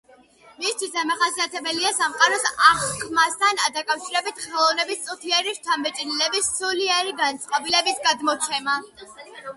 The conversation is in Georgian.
მისთვის დამახასიათებელია სამყაროს აღქმასთან დაკავშირებული ხელოვანის წუთიერი შთაბეჭდილებების, სულიერი განწყობილების გადმოცემა.